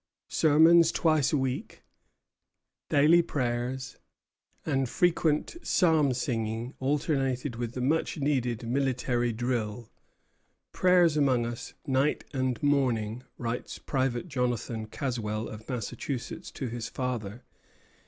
Sermons twice a week, daily prayers, and frequent psalm singing alternated with the much needed military drill. "Prayers among us night and morning," writes Private Jonathan Caswell, of Massachusetts, to his father.